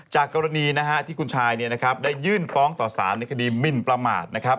จากกรณีที่คุณชายได้ยื่นฟร้องต่อสารในคดีมิ่นประมาท